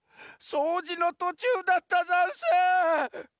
そうじのとちゅうだったざんす！